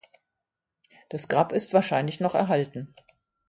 Das Grab ist wahrscheinlich noch erhalten.